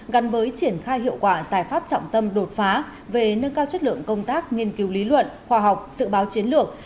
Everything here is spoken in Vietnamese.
gắn với triển khai hiệu quả giải pháp trọng tâm đột phá về nâng cao chất lượng công tác nghiên cứu lý luận khoa học dự báo chiến lược